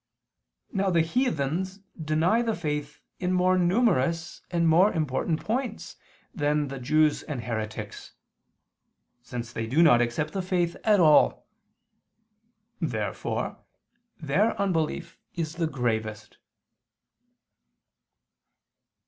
Now the heathens deny the faith in more numerous and more important points than Jews and heretics; since they do not accept the faith at all. Therefore their unbelief is the gravest.